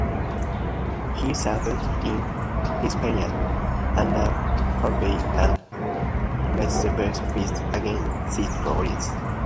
He served in Hispania under Pompey and Metellus Pius against Sertorius.